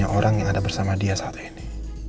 tiga orang yang ada bersama dia saat ini